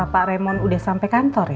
pak raymond udah sampe kantor ya